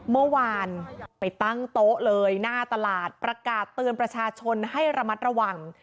เมื่อวานไปตั้งโต๊ะเลยหน้าตลาดประกาศเตือนประชาชนให้ระมัดระวัง